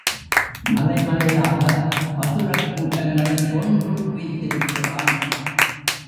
மலைமலையாக அசுரக் கூட்டங்களைக் கொன்று குவித்திருக்கிறான்.